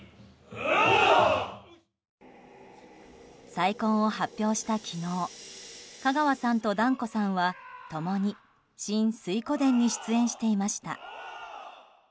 再婚を発表した昨日香川さんと團子さんは共に「新・水滸伝」に出演していました。